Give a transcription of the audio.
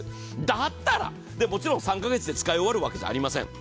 だったら、もちろん３カ月で使い終わるわけじゃありません。